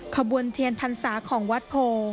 ขบวนเทียนพรรษาของวัดโพ